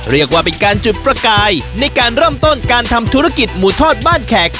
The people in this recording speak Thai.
เรียกว่าเป็นการจุดประกายในการเริ่มต้นการทำธุรกิจหมูทอดบ้านแขก